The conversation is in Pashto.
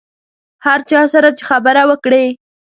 هر چا سره چې خبره وکړې.